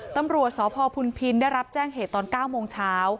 ตำรวจสพพุนพินได้รับแจ้งเหตุตอน๙โมงเช้า